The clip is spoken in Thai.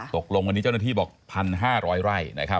ตกลงวันนี้เจ้าหน้าที่บอก๑๕๐๐ไร่